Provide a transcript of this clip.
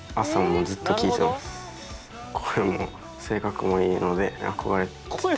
声も性格もいいので。